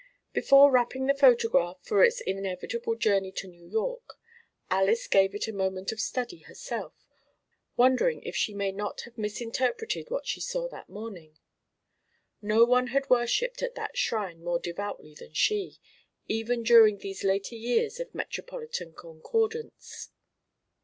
Before wrapping the photograph for its inevitable journey to New York, Alys gave it a moment of study herself, wondering if she may not have misinterpreted what she saw that morning. No one had worshipped at that shrine more devoutly than she, even during these later years of metropolitan concordance.